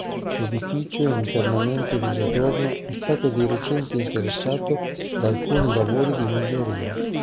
L'edificio, internamente disadorno, è stato di recente interessato da alcuni lavori di miglioria.